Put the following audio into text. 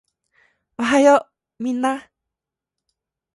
おはようみんなー